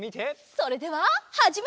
それでははじめ！